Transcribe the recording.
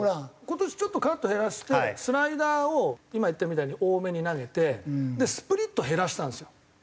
今年ちょっとカット減らしてスライダーを今言ったみたいに多めに投げてスプリット減らしたんですよ。